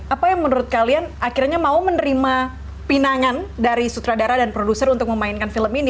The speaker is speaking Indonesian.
apa yang menurut kalian akhirnya mau menerima pinangan dari sutradara dan produser untuk memainkan film ini